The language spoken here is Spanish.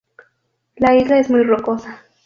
La isla es muy rocosa.